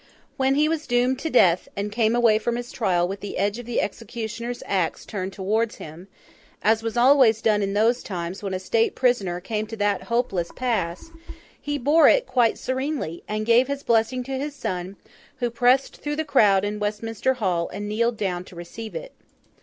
When he was doomed to death, and came away from his trial with the edge of the executioner's axe turned towards him—as was always done in those times when a state prisoner came to that hopeless pass—he bore it quite serenely, and gave his blessing to his son, who pressed through the crowd in Westminster Hall and kneeled down to receive it.